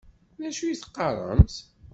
D acu i d-teqqaṛemt?